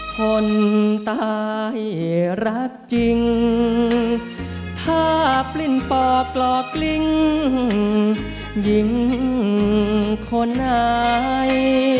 คนตายรักจริงถ้าปลิ้นปอกหลอกลิ้งหญิงคนไหน